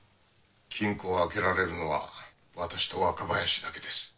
金庫を開けられるのは私と若林だけです。